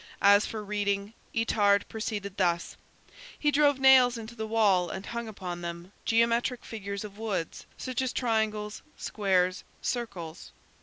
As for reading, Itard proceeded thus: he drove nails into the wall and hung upon them, geometric figures of wood, such as triangles, squares, circles.